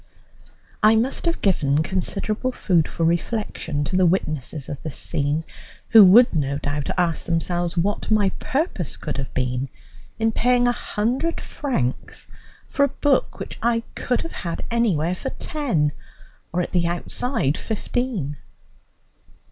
I must have given considerable food for reflection to the witnesses of this scene, who would no doubt ask themselves what my purpose could have been in paying a hundred francs for a book which I could have had anywhere for ten, or, at the outside, fifteen.